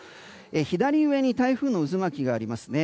左上に台風の渦巻きがありますね。